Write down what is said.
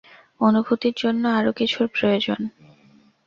অনুভূতির জন্য আরও কিছুর প্রয়োজন।